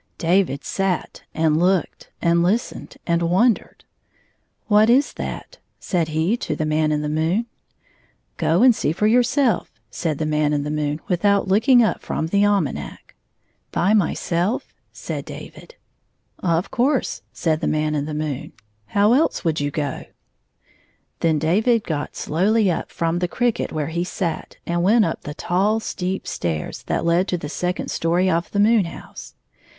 David sat and looked, and listened and won dered. " What is that ?" said he to the Man in the moon. " Go and see for yourself," said the Man in the moon, without looking up from the almanac. " By myself? " said David. " Of course," said the Man in the moon. " How else would you go ?" Then David got slowly up from the cricket where he sat and went up the tall, steep stall's, that led to the second story of the moon house.